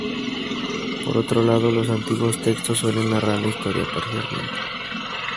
Por otro lado, los antiguos textos suelen narrar la historia parcialmente.